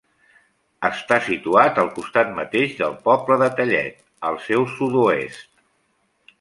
Està situat al costat mateix del poble de Tellet, al seu sud-oest.